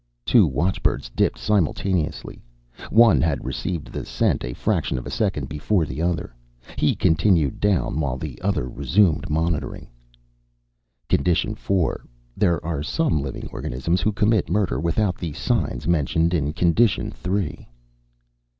Two watchbirds dipped simultaneously. One had received the scent a fraction of a second before the other. He continued down while the other resumed monitoring. _Condition four, there are some living organisms who commit murder without the signs mentioned in condition three.